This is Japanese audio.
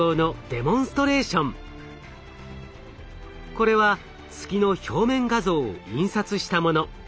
これは月の表面画像を印刷したもの。